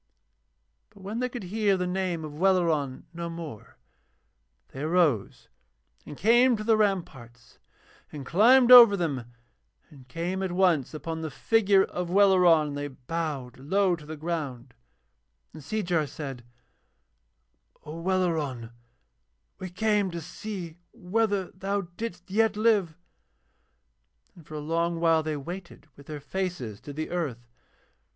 But when they could hear the name of Welleran no more they arose and came to the ramparts and climbed over them and came at once upon the figure of Welleran, and they bowed low to the ground, and Seejar said: 'O Welleran, we came to see whether thou didst yet live.' And for a long while they waited with their faces to the earth.